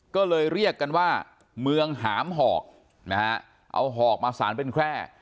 ก็เลยเรียกกันว่าเมืองหามหอกนะฮะเอาหอกมาสารเป็นแคร่